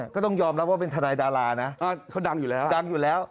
ก็ต้องยอมรับว่าเป็นธนายดารานะเขาดำอยู่แล้ว